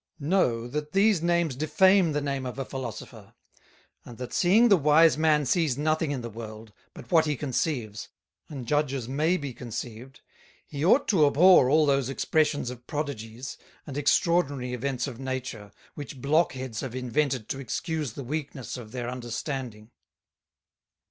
Know, that these Names defame the Name of a Philosopher; and that seeing the wise Man sees nothing in the World, but what he conceives, and judges may be conceived, he ought to abhor all those Expressions of Prodigies, and extraordinary Events of Nature, which Block heads have invented to excuse the Weakness of their Understanding."